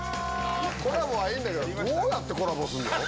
コラボはいいんだけどどうやってコラボするの？